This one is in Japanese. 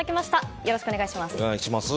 よろしくお願いします。